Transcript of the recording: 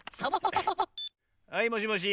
はいもしもし。